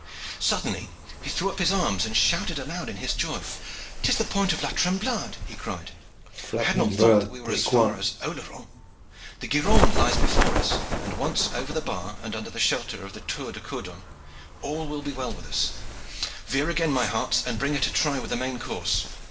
Suddenly he threw up his arms and shouted aloud in his joy. "'Tis the point of La Tremblade!" he cried. "I had not thought that we were as far as Oleron. The Gironde lies before us, and once over the bar, and under shelter of the Tour de Cordouan, all will be well with us. Veer again, my hearts, and bring her to try with the main course!"